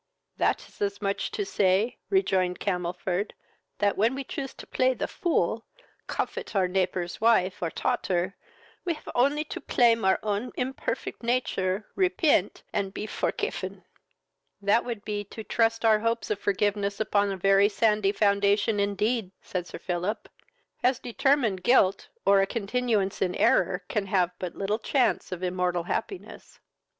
"That is as much as to say, (rejoined Camelford,) that, when we choose to play the fool, cofet our neighbor's wife or taughter, we have only to plame our own imperfect nature, repent, and be forcifen." "That would be to trust our hopes of forgiveness upon a very sandy foundation indeed, (said Sir Philip,) as determined guilt, or a continuance in error, can have but little chance of immortal happiness."